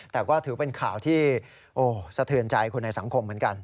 แต่ก็ถือเป็นข่าวที่สะเทือนใจคนในสังคมเหมือนกัน